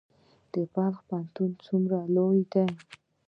بلخ پوهنتون څومره لوی دی؟